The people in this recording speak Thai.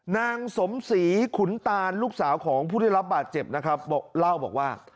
นางสมศรีขุนตานลูกสาวของผู้ได้รับบาดเจ็บนะครับบอกเล่าบอกว่า